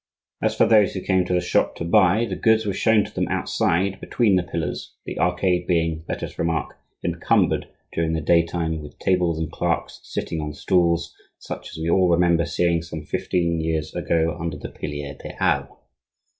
As for those who came to the shop to buy, the goods were shown to them outside, between the pillars,—the arcade being, let us remark, encumbered during the day time with tables, and clerks sitting on stools, such as we all remember seeing some fifteen years ago under the "piliers des Halles."